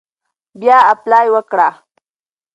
بیا اپلای وکړه.